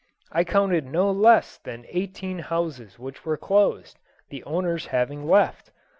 I counted no less than eighteen houses which were closed, the owners having left.